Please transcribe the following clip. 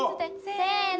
せの。